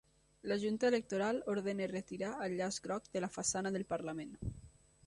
La junta electoral ordena retirar el llaç groc de la façana del parlament